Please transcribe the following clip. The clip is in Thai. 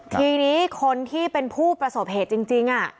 ทีนี้คนที่เป็นผู้ประสบเหตุจริง